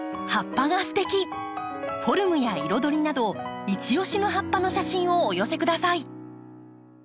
フォルムや彩りなどいち押しの葉っぱの写真をお寄せください。